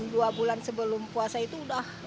dua bulan sebelum puasa itu udah